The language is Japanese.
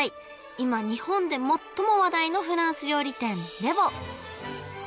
今日本で最も話題のフランス料理店レヴォ